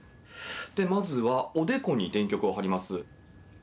まずは、おでこに電極を貼ります。